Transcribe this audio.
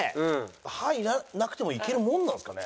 歯なくてもいけるもんなんですかね？